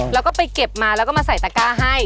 แล้วก็ไปเก็บมาแล้วก็มาใส่ตะก้าให้